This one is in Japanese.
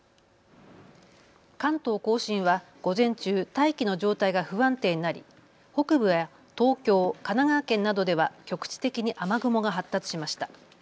関東甲信は午前中、大気の状態が不安定になり北部や東京、神奈川県などでは局地的に雨雲が発達しました。